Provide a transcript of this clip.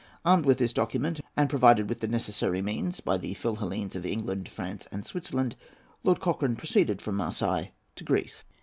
Armed with this document, and provided with the necessary means by the Philhellenes of England, France, and Switzerland, Lord Cochrane proceeded from Marseilles to Greece.